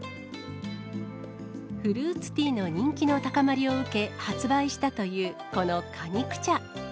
フルーツティーの人気の高まりを受け、発売したという、この果肉茶。